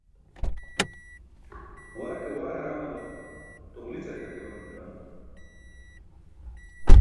War ke war harṅulo tuġli ćarkat imanum juwan